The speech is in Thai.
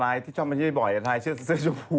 ธนายที่ชอบมาชื่อไม่บ่อยธนายชื่อเสื้อชมพู